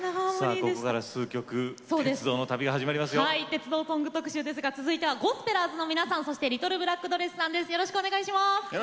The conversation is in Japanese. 鉄道ソング特集続いては、ゴスペラーズの皆さんそしてリトルブラックドレスさんです。